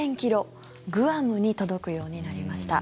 グアムに届くようになりました。